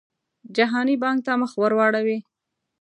جهاني بانک ته مخ ورواړوي.